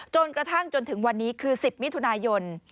จนกระทั่งจนถึงวันนี้คือ๑๐มิถุนายน